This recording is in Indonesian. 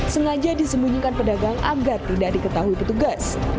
sengaja disembunyikan pedagang agar tidak diketahui petugas